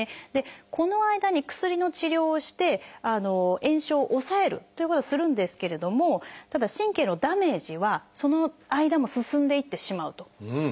この間に薬の治療をして炎症を抑えるということをするんですけれどもただ神経のダメージはその間も進んでいってしまうということなんです。